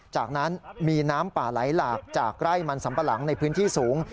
จากนั้นมีน้ำป่าไหลหลากจากไร่มันสัมปะหลังในพื้นที่สูง